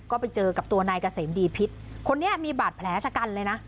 ก็ไปเจอกับตัวนายเกษมดีพิษคนนี้มีบาดแผลชะกันเลยนะ